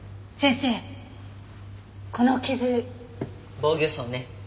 防御創ね。